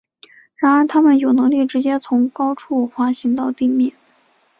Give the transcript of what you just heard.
然而它们有能力直接从高处滑行到地面。